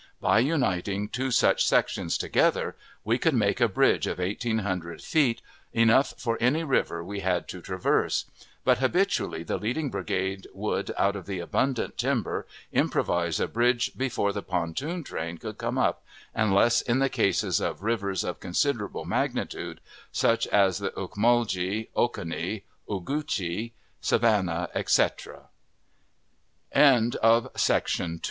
By uniting two such sections together, we could make a bridge of eighteen hundred feet, enough for any river we had to traverse; but habitually the leading brigade would, out of the abundant timber, improvise a bridge before the pontoon train could come up, unless in the cases of rivers of considerable magnitude, such as the Ocmulgee, Oconee, Ogeechee, Savannah, etc. On the 20th of November